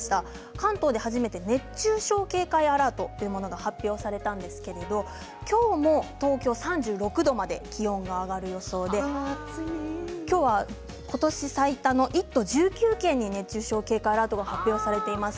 関東では初めて熱中症警戒アラートが発表されたんですけれど今日も東京３６度まで気温が上がる予想で今日は今年最多の１都１９県に熱中症警戒アラートが発表されています。